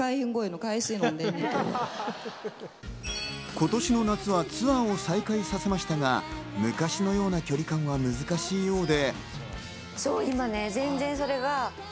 今年の夏はツアーを再開させましたが昔のような距離感は難しいようで。